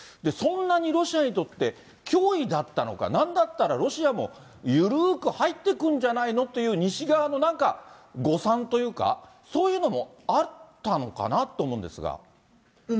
そんなにロシアにとって脅威だったのか、なんだったら、ロシアもゆるーく入ってくるんじゃないのっていう、西側の誤算というか、そういうのもあったのかなと思うんですが。